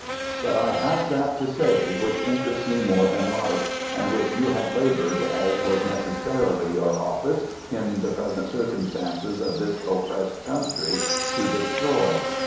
But T have that to say, which interests me more than life, and which you have laboured, (as was necessarily your office in the present circumstances of this oppressed country,) to destroy.